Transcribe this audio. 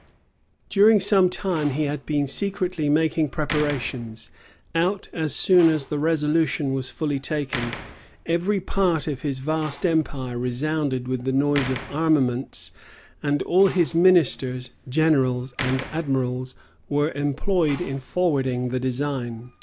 During some time, he had been secretly making preparations, out as soon as the resolution was fully taken, every part of his vast empire resounded with the noise of armaments, and all his ministers, generals, and admirals were employed in forwarding the design.